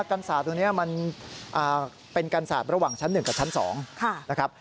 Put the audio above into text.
กันศาสตร์ตรงนี้มันเป็นกันศาสตร์ระหว่างชั้น๑กับชั้น๒นะครับ